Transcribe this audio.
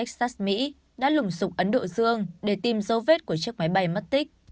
các nhà điều tra mỹ đã lùng sụp ấn độ dương để tìm dấu vết của chiếc máy bay mất tích